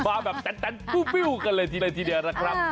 มาแบบแตนปิ้วกันเลยทีเดียวนะครับ